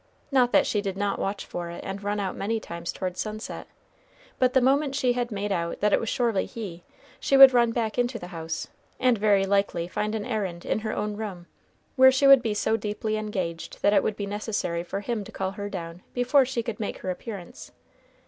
Not that she did not watch for it and run out many times toward sunset; but the moment she had made out that it was surely he, she would run back into the house, and very likely find an errand in her own room, where she would be so deeply engaged that it would be necessary for him to call her down before she could make her appearance.